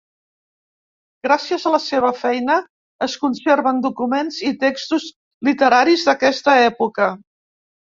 Gràcies a la seva feina es conserven documents i textos literaris d'aquesta època.